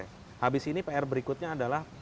habis ini pr berikutnya adalah